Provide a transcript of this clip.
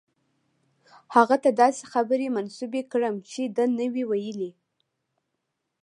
هغه ته داسې خبرې منسوبې کړم چې ده نه دي ویلي.